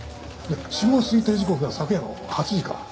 死亡推定時刻は昨夜の８時から９時頃です。